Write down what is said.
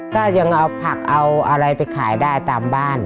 ก็ยังเอาผักเอาอะไรไปขายได้ตามบ้าน